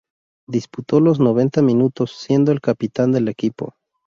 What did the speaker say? Disputó los noventa minutos, siendo el capitán del equipo.